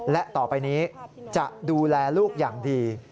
และต่อไปนี้จะดูแลลูกอย่างดี